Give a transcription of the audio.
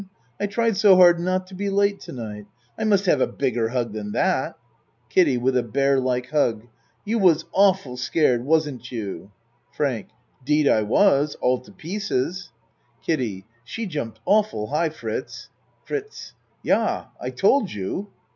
I tried so hard not to be late to night. I must have a bigger hug than that. KIDDIE (With a bear like hug.) You was aw ful scared wasn't you? FRANK 'Deed I was all to pieces! KIDDIE She jumped awful high, Fritz! FRITZ Yah, I told you.